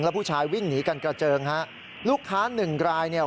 โทษทีโทษทีโทษที